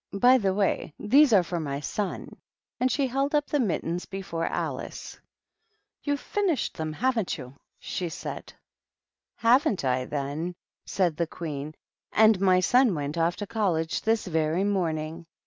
By the way, these are for my son." And she held up the mittens before Alice. " You've finished them, haven't you ?" she said. ^^ HavenH I, then I" said the Queen. "And my son went off to college this very morning.